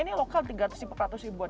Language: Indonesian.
ini lokal tiga ratus ribuan